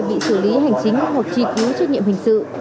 bị xử lý hành chính hoặc truy cứu trách nhiệm hình sự